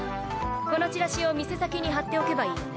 このチラシを店先に貼っておけばいいのね？